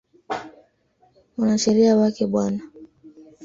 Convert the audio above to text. Mwanasheria wake Bw.